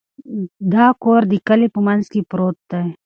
دا کور د کلي په منځ کې پروت دی.